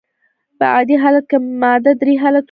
په عادي حالت کي ماده درې حالتونه لري.